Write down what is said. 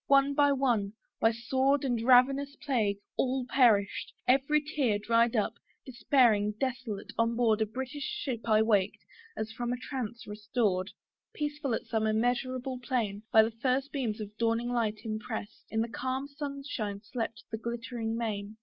one by one, by sword And ravenous plague, all perished: every tear Dried up, despairing, desolate, on board A British ship I waked, as from a trance restored. Peaceful as some immeasurable plain By the first beams of dawning light impress'd, In the calm sunshine slept the glittering main.